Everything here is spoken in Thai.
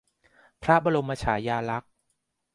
พระบรมฉายาลักษณ์